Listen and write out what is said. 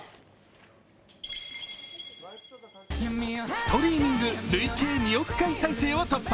ストリーミング累計２億万回再生を突破。